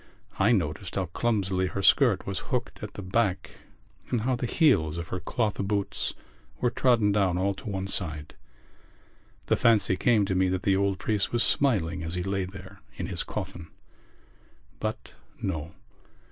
I noticed how clumsily her skirt was hooked at the back and how the heels of her cloth boots were trodden down all to one side. The fancy came to me that the old priest was smiling as he lay there in his coffin. But no.